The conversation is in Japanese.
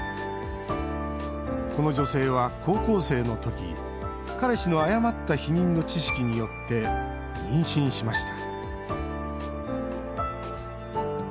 この女性は高校生のとき彼氏の誤った避妊の知識によって妊娠しました